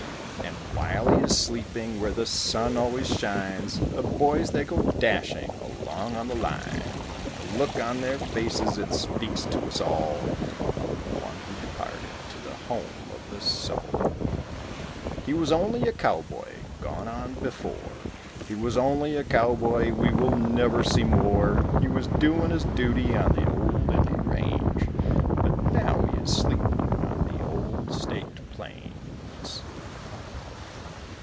And while he is sleeping where the sun always shines, The boys they go dashing along on the line; The look on their faces it speaks to us all Of one who departed to the home of the soul. He was only a cowboy gone on before, He was only a cowboy, we will never see more; He was doing his duty on the old N A range But now he is sleeping on the old staked plains.